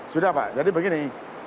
sudah pak jadi begini